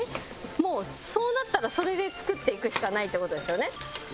もうそうなったらそれで作っていくしかないって事ですよね。